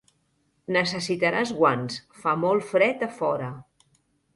Necessitaràs guants; fa molt fred a fora.